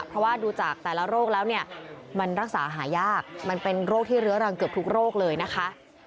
เพราะว่าดูจากแต่ละโรคแล้วเนี่ยมันรักษาหายากมันเป็นโรคที่เรื้อรังเกือบทุกโรคเลยนะคะ